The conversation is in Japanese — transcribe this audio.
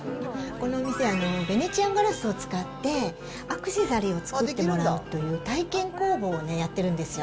この店、ヴェネツィアンガラスを使って、アクセサリーを作ってもらうという、体験工房をやってるんですよ。